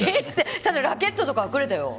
ただラケットとかくれくれた？